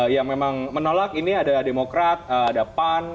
yang memang menolak ini ada demokrat ada pan